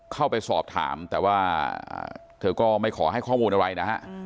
เข้าไปสอบถามแต่ว่าเธอก็ไม่ขอให้ข้อมูลอะไรนะฮะ